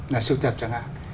là sưu tập chẳng hạn